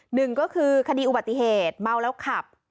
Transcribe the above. หนึ่งก็คือคดีอุบัติเหตุเมาแล้วขับ